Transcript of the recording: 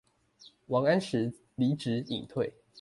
王安石離職引退